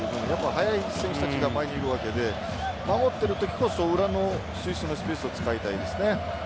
速い選手たちが前にいるわけで守っているときこそ裏の選手のスペースを使いたいですね。